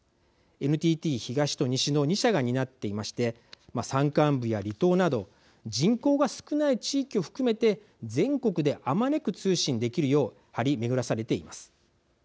ＮＴＴ東と西の２社が担っていまして山間部や離島など人口が少ない地域を含めて全国であまねく通信できるよう張り巡らされています。